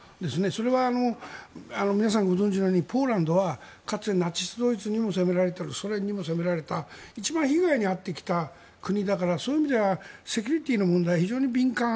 それは皆さんご存じのようにポーランドはかつてナチス・ドイツにも攻められているソ連にも攻められた一番被害に遭ってきた国だからそういう意味ではセキュリティーの問題は非常に敏感。